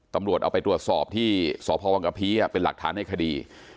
ตำรวจเอาไปตรวจสอบที่สพวังกะพีเป็นหลักฐานในคดี